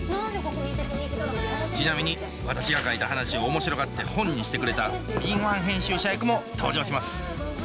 ちなみに私が書いた話を面白がって本にしてくれた敏腕編集者役も登場します